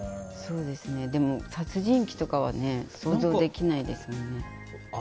でも、殺人鬼とかは想像できないですもんね。